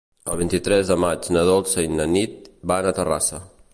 El vint-i-tres de maig na Dolça i na Nit van a Terrassa.